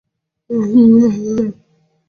এমন কখনো হয় নাই।